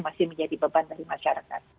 masih menjadi beban dari masyarakat